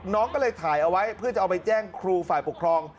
น้องก็เลยถ่ายเอาไว้เพื่อจะเอาไปแจ้งครูฝ่ายปกครอง